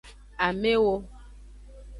Amewo.